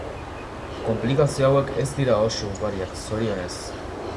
Konplikazio hauek ez dira oso ugariak, zorionez.